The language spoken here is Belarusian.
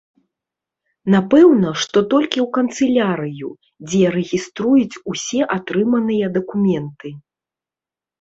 Напэўна, што толькі ў канцылярыю, дзе рэгіструюць усе атрыманыя дакументы.